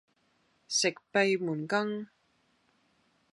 食閉門羹